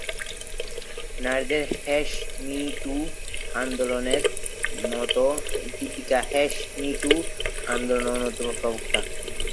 নারীদের hash me too আন্দোলনের মত দীপিকা হ্যাশ মেন টু আন্দোলনের অন্যতম প্রবক্তা।